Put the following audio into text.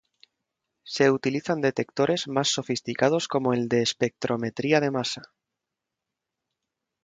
Se utilizan detectores más sofisticados como el de espectrometría de masa.